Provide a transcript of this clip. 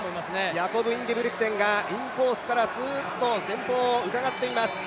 ヤコブ・インゲブリクセンがインコースからすっと前方をうかがっています。